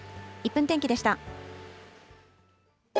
１分天気でした。